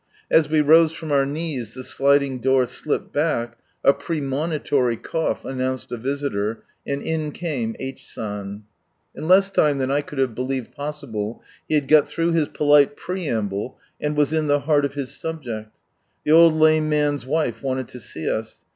As we rose from our knees the sliding door slipped back, a premonitory cough announced a visitor, and in came H. San. In less time than I could have believed possible, he had got through his polite preamble, and was in the heart of his subject The old lame man's wife wanted to see us.